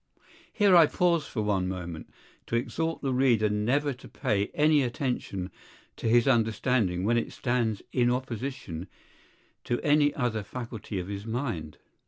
Here I pause for one moment, to exhort the reader never to pay any attention to his understanding when it stands in opposition to any other faculty of his mind.